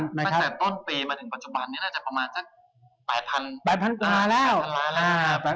ตั้งแต่ต้นปีมาถึงปัจจุบันนี้น่าจะประมาณสัก๘๐๐๐ล้านแล้ว